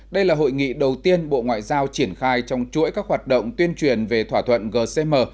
đây là hội nghị đầu tiên bộ ngoại giao triển khai trong chuỗi các hoạt động tuyên truyền về thỏa thuận gcm